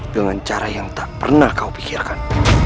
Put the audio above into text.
dengan cara yang tak pernah kau pikirkan